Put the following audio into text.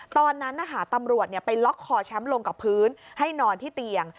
ตอนนั้นตำรวจไปล็อกคอแชมป์ลงกับพื้นให้นอนที่เตียง